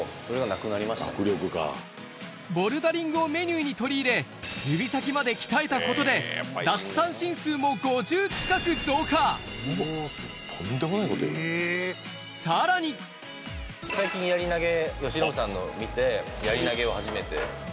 ボルダリングをメニューに取り入れ指先まで鍛えたことで奪三振数も５０近く増加さらに最近やり投げ。